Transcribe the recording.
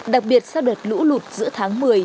đặc biệt sau đợt lũ lụt giữa tháng một mươi